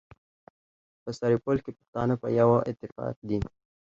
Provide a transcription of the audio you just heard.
په سرپل کي پښتانه په يوه اتفاق دي.